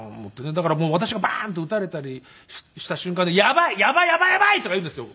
だからもう私がバーンと撃たれたりした瞬間に「やばい。やばいやばいやばい」とか言うんですよ